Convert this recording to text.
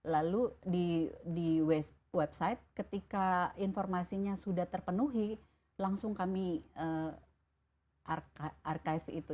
lalu di website ketika informasinya sudah terpenuhi langsung kami archive itu